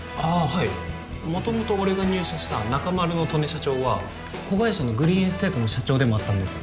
はいもともと俺が入社したナカマルの刀根社長は子会社のグリーンエステートの社長でもあったんです